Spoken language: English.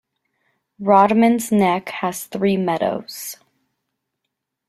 Rodman's Neck has three meadows.